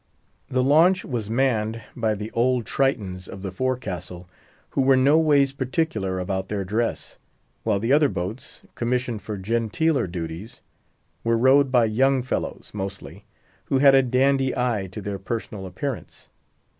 The launch was manned by the old Tritons of the forecastle, who were no ways particular about their dress, while the other boats—commissioned for genteeler duties—were rowed by young follows, mostly, who had a dandy eye to their personal appearance.